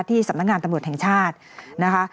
สำนักงานตำรวจแห่งชาตินะคะ